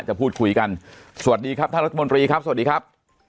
จะพูดคุยกันสวัสดีครับท่านรัฐมนตรีครับสวัสดีครับ